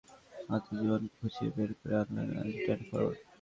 কিন্তু সেটাই আবার নিজের আত্মজীবনীতে খুঁচিয়ে বের করে আনলেন আর্জেন্টাইন ফরোয়ার্ড।